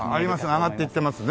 上がっていってますね。